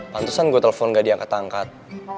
pantusan gue telfon ga diangkat angkat